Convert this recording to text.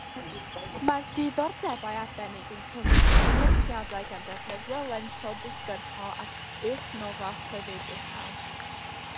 Mae'r diddordebau arbennig yn cynnwys cymwysiadau gan ddefnyddio lensio disgyrchol ac uwchnofa rhuddiad-uchel.